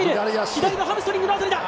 左のハムストリングだ。